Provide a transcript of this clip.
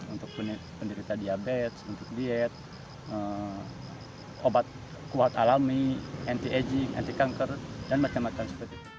untuk penderita diabetes untuk diet obat kuat alami anti aging anti kanker dan macam macam